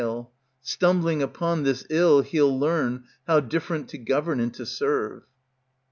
Stumbling upon this ill he'll learn How different to govern and to serve.